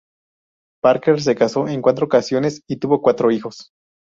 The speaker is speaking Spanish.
Parker se casó en cuatro ocasiones y tuvo cuatro hijos.